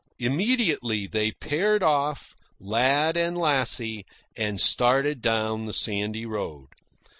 Immediately they paired off, lad and lassie, and started down the sandy road.